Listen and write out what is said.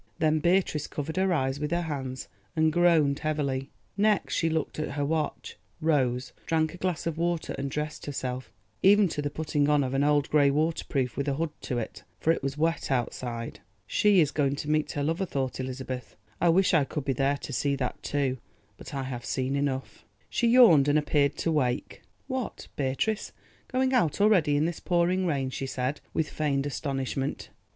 Then Beatrice covered her eyes with her hands and groaned heavily. Next she looked at her watch, rose, drank a glass of water, and dressed herself, even to the putting on of an old grey waterproof with a hood to it, for it was wet outside. "She is going to meet her lover," thought Elizabeth. "I wish I could be there to see that too, but I have seen enough." She yawned and appeared to wake. "What, Beatrice, going out already in this pouring rain?" she said, with feigned astonishment.